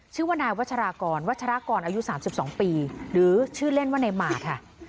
ชื่อว่านายวัชรากรวัชรากรอายุ๓๒ปีหรือชื่อเล่นว่านายหมาค่ะ